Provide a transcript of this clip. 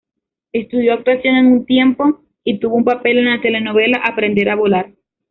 Estudió actuación un tiempo y tuvo un papel en la telenovela "Aprender a volar".